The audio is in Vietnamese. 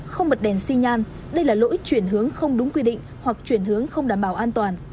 không bật đèn xi nhan đây là lỗi chuyển hướng không đúng quy định hoặc chuyển hướng không đảm bảo an toàn